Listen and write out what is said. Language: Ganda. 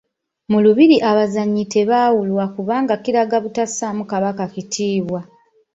Mu Lubiri abazinyi tebaawula kubanga kiraga butassaamu Kabaka Kitiibwa.